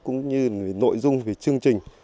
cũng như nội dung về chương trình